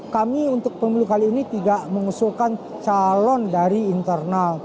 kami untuk pemilu kali ini tidak mengusulkan calon dari internal